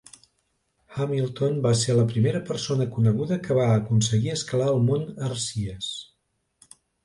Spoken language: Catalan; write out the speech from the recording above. Hamilton va ser la primera persona coneguda que va aconseguir escalar el mont Erciyes.